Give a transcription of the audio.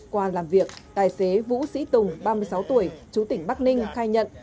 qua làm việc tài xế vũ sĩ tùng ba mươi sáu tuổi chú tỉnh bắc ninh khai nhận